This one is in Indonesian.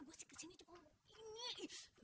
gue sih kesini cuma mau ini